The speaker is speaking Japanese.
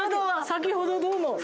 先ほどどうも。